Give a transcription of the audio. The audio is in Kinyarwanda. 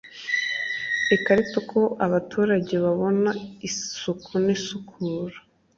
ikarita uko abaturage babona isuku n isukura